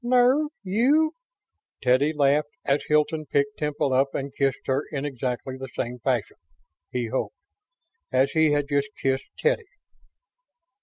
"Nerve? You?" Teddy laughed as Hilton picked Temple up and kissed her in exactly the same fashion he hoped! as he had just kissed Teddy.